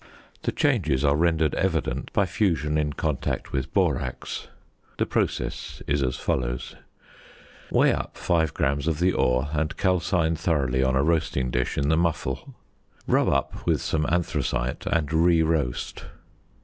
The changes are rendered evident by fusion in contact with borax. The process is as follows: Weigh up 5 grams of the ore, and calcine thoroughly on a roasting dish in the muffle. Rub up with some anthracite, and re roast.